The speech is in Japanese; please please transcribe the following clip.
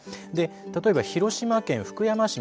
例えば広島県福山市に。